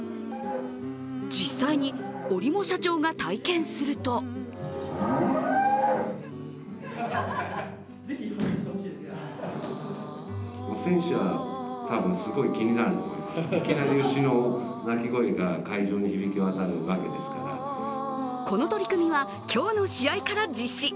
実際に折茂社長が体験するとこの取り組みは今日の試合から実施。